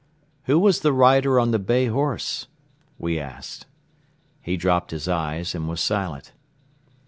"Who was the rider on the bay horse?" we asked. He dropped his eyes and was silent.